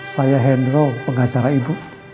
saya hendro pengacara ibu